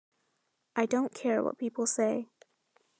I don't care what people say!